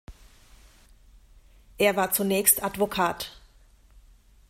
Er war zunächst Advokat.